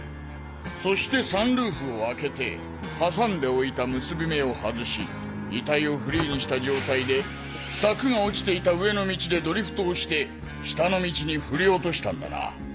そしてサンルーフを開けて挟んでおいた結び目を外し遺体をフリーにした状態で柵が落ちていた上の道でドリフトをして下の道に振り落としたんだな。